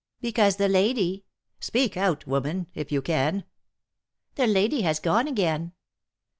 'Because the lady ' 'Speak out, woman, if you can!' 'The lady has gone again.'